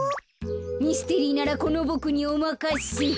ミステリーならこのボクにおまかせ！